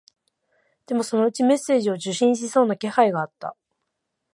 でも、そのうちメッセージを受信しそうな気配があった